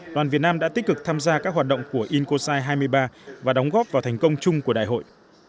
đoàn việt nam đã tích cực tham gia các hoạt động của intosai hai mươi ba và đóng góp vào thành công chung của đại hội